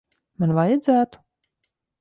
Man vajadzētu?